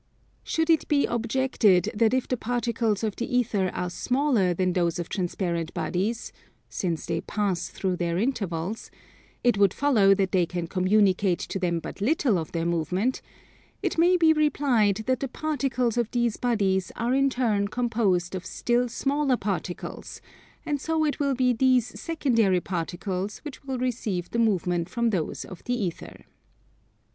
Should it be objected that if the particles of the ether are smaller than those of transparent bodies (since they pass through their intervals), it would follow that they can communicate to them but little of their movement, it may be replied that the particles of these bodies are in turn composed of still smaller particles, and so it will be these secondary particles which will receive the movement from those of the ether.